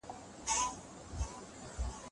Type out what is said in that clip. کوچیان له پخوانیو وختونو راهیسې ژوند کوي.